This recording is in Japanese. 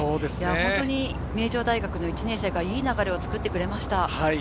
本当に名城大学の１年生がいい流れを作ってくれました。